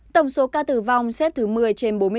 tổng số ca tử vong xếp thứ một mươi